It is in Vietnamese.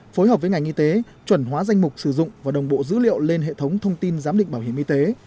phối hợp với ngành y tế chuẩn hóa danh mục sử dụng và đồng bộ dữ liệu lên hệ thống thông tin giám định bảo hiểm y tế